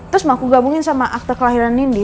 terus mau aku gabungin sama akte kelahiran nindi